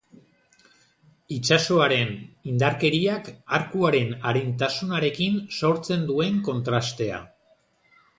Itsasoaren indarkeriak arkuaren arintasunarekin sortzen duen kontrastea.